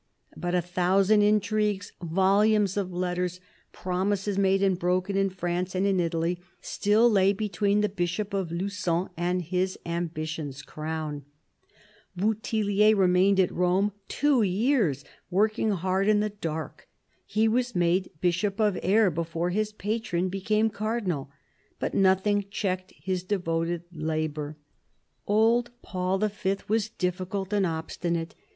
But a thousand intrigues, volumes of letters, promises made and broken in France and in Italy, still lay between the Bishop of Lugon and his ambition's crown. Bouthillier remained at Rome two years, working hard in the dark. He was made Bishop of Aire before his patron became Cardinal, but nothing checked his devoted labour. Old Paul V. was difficult and obstinate.